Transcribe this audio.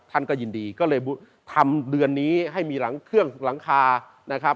ท่านก็ยินดีก็เลยทำเดือนนี้ให้มีหลังเครื่องหลังคานะครับ